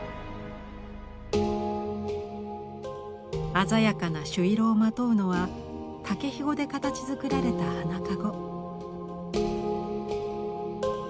鮮やかな朱色をまとうのは竹ひごで形づくられた花籠。